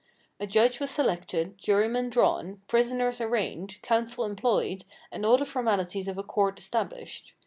A judge was selected, jurymen drawn, prisoners arraigned, counsel employed, and all the formalities of a court established.